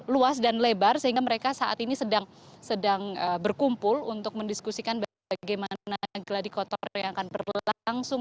luas dan lebar sehingga mereka saat ini sedang berkumpul untuk mendiskusikan bagaimana geladi kotor yang akan berlangsung